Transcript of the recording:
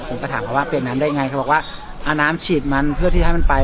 ผมก็ถามเขาว่าเป็นน้ำได้ไงเขาบอกว่าเอาน้ำฉีดมันเพื่อที่ให้มันไป